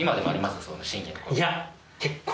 いや。